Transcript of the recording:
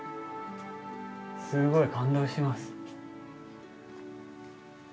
すごい感動します。